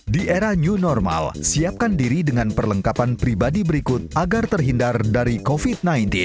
di era new normal siapkan diri dengan perlengkapan pribadi berikut agar terhindar dari covid sembilan belas